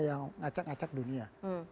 yang ngacak ngacak dunia